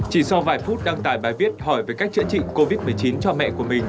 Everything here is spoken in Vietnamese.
chỉ sau vài phút đăng tải bài viết hỏi về cách chữa trị covid một mươi chín cho mẹ của mình